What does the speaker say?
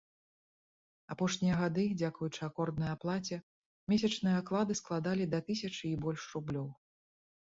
Апошнія гады, дзякуючы акорднай аплаце, месячныя аклады складалі да тысячы і больш рублёў.